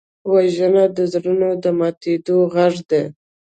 وژنه د زړونو د ماتېدو غږ دی